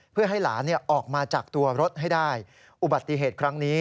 เพื่อให้หลานออกมาจากตัวรถให้ได้อุบัติเหตุครั้งนี้